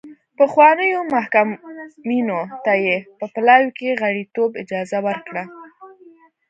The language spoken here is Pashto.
پخوانیو محکومینو ته یې په پلاوي کې غړیتوب اجازه ورکړه.